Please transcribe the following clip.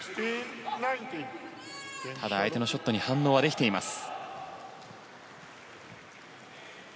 ただ、相手のショットに反応はできています。